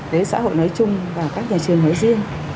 đến xã hội nói chung và các nhà trường nói riêng